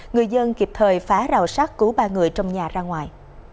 người dân kịp thời phá rào sát cứu ba người trong nhà ra ngoài